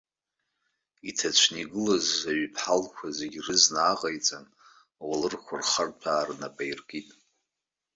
Иҭацәны игылаз аҩыԥҳалқәа зегьы рызна ааҟаиҵан, ауалырқәа рхарҭәаара нап аиркит.